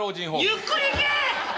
ゆっくり行け！